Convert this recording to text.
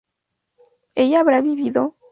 ¿ella habrá vivido?